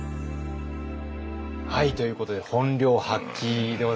はいということで本領発揮でございますね。